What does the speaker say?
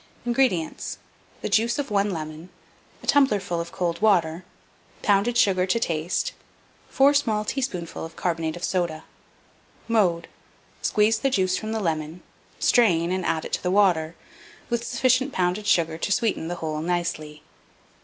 INGREDIENTS. The juice of 1 lemon, a tumbler ful of cold water, pounded sugar to taste, 4 small teaspoonful of carbonate of soda. Mode. Squeeze the juice from the lemon; strain, and add it to the water, with sufficient pounded sugar to sweeten the whole nicely.